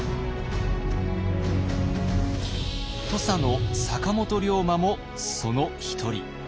土佐の坂本龍馬もその一人。